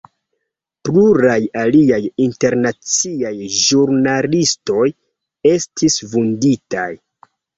Pluraj aliaj internaciaj ĵurnalistoj estis vunditaj.